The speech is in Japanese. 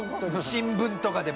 新聞とかでも？